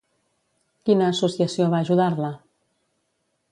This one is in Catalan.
Quina associació va ajudar-la?